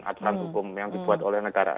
aturan hukum yang dibuat oleh negara